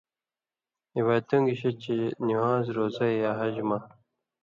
عِبادتیوں، گِشے چے نِوان٘ز، روزہ یا حجہ، مہ۔